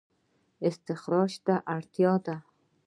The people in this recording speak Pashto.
استخراج ته اړتیا ده